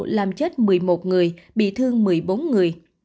làm chết một mươi một người bị thương một mươi bốn người